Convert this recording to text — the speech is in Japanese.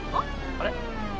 あれ？